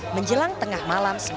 menjelang tengah malam